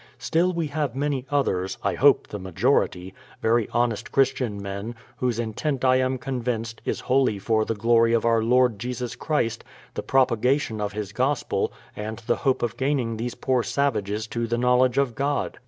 Still we have many others, — I hope the majority, — very honest Christian men, whose intent I am convinced, is wholly for the glory of Our Lord Jesus Christ, the propagation of His gospel, and the hope of gaining these poor savages to the knowledge of God.